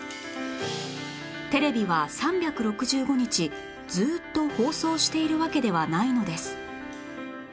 テレビは３６５日ずっと放送しているわけではないのです